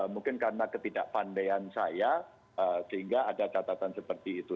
mungkin karena ketidakpandaian saya sehingga ada catatan seperti itu